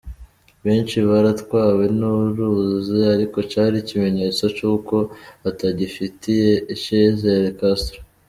Benshi baratwawe n'uruzi, ariko cari ikimenyetso c'uko batagifitiye icizere Castro.